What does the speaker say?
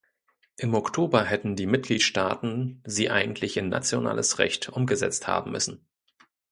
Im Oktober hätten die Mitgliedstaaten sie eigentlich in nationales Recht umgesetzt haben müssen.